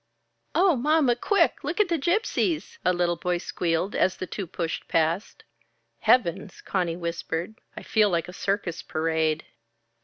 "Oh, Mama! Quick! Look at the Gypsies," a little boy squealed as the two pushed past. "Heavens!" Conny whispered. "I feel like a circus parade."